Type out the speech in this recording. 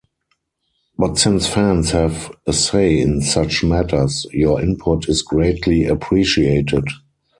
But since fans have a say in such matters, your input is greatly appreciated.